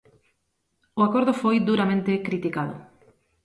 O acordo foi duramente criticado.